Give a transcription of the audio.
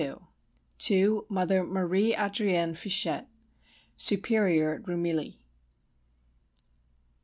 LXXII. _To Mother Marie Adrienne Fichet, Superior at Rumilly.